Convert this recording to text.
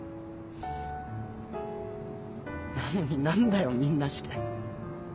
なのに何だよみんなして。